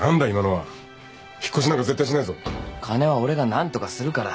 金は俺が何とかするから。